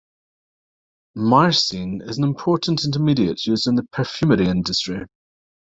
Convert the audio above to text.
Myrcene is an important intermediate used in the perfumery industry.